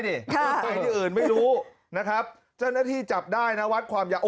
อื่นไม่รู้นะครับเจ้าหน้าที่จับได้นะวัดความใหญ่โอ้โห